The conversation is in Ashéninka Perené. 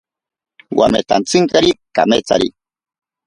Wametantsinkari kametsari.